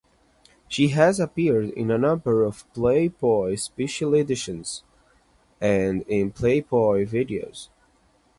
She has appeared in a number of "Playboy Special Editions", and in "Playboy" videos.